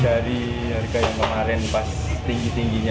dari harga yang kemarin pas tinggi tingginya